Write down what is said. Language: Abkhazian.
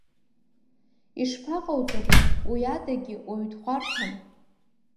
Ишԥаҟауҵари, уи адагьы уаҩ дхәарҭам.